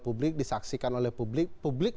publik disaksikan oleh publik publik